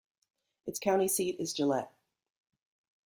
Its county seat is Gillette.